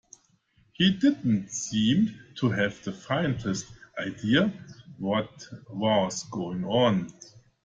He didn't seem to have the faintest idea what was going on.